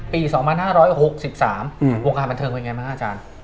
ปี๒๕๖๓วงการบันเทิงวันนี้ควรแยกไหมครับอาจารย์